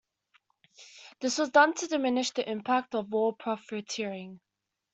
This was done to diminish the impact of war profiteering.